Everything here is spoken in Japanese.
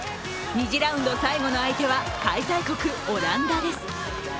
２次ラウンド最後の相手は開催国・オランダです。